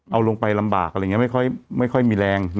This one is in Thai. เอาลงไปลำบากอะไรอย่างนี้ไม่ค่อยมีแรง